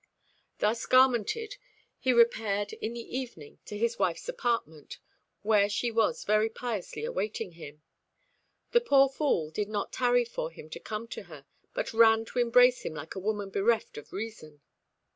Thus garmented, he repaired in the evening to his wife's apartment, where she was very piously awaiting him. The poor fool did not tarry for him to come to her, but ran to embrace him like a woman bereft of reason.